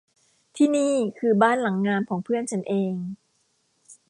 ที่นี่คือบ้านหลังงามของเพื่อนฉันเอง